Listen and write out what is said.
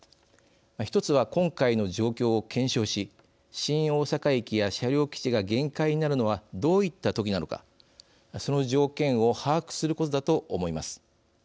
１つは今回の状況を検証し新大阪駅や車両基地が限界になるのはどういった時なのかその条件を把握することだと思います。